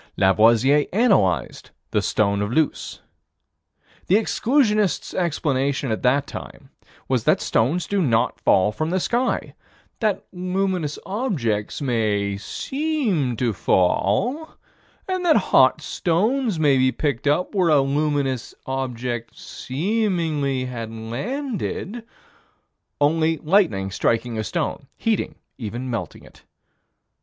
Lavoisier analyzed the stone of Luce. The exclusionists' explanation at that time was that stones do not fall from the sky: that luminous objects may seem to fall, and that hot stones may be picked up where a luminous object seemingly had landed only lightning striking a stone, heating, even melting it.